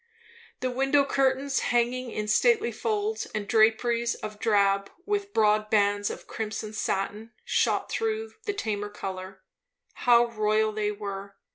The window curtains, hanging in stately folds and draperies of drab, with broad bands of crimson satin shot through the tamer colour, how royal they were!